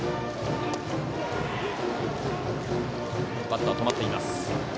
バットは止まっています。